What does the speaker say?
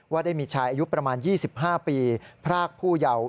ได้มีชายอายุประมาณ๒๕ปีพรากผู้เยาว์